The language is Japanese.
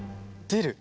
出る。